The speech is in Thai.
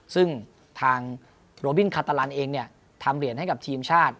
ซึ่งทางโรบินคาตาลันเองทำเหรียญให้กับทีมชาติ